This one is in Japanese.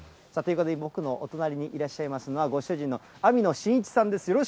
ということで、僕のお隣にいらっしゃいますのは、ご主人の網野信一さんです。